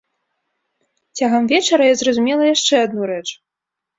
Цягам вечара я зразумела яшчэ адну рэч.